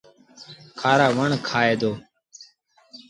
کآرآ وڻ کآئي دو۔